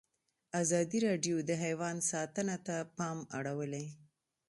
ازادي راډیو د حیوان ساتنه ته پام اړولی.